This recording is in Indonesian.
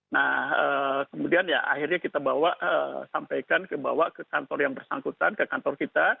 nah kemudian ya akhirnya kita bawa sampaikan ke kantor yang bersangkutan ke kantor kita